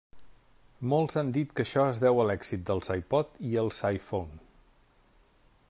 Molts han dit que això es deu a l'èxit dels iPod i els iPhone.